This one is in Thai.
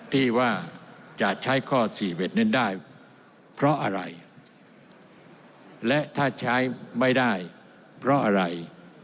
ที่ว่าจะใช้ข้อ๔๑นั้นได้เพราะอะไรและถ้าใช้ไม่ได้เพราะอะไร